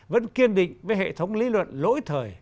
vẫn kiên định với hệ thống lý luận lỗi thời